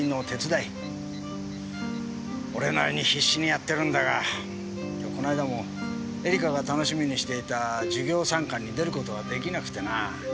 俺なりに必死にやってるんだがこの間も絵梨華が楽しみにしていた授業参観に出る事が出来なくてな。